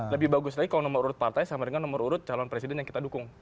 lebih bagus lagi kalau nomor urut partai sama dengan nomor urut calon presiden yang kita dukung